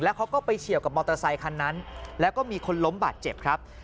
เขาก็ไปเฉียวกับมอเตอร์ไซคันนั้นแล้วก็มีคนล้มบาดเจ็บครับ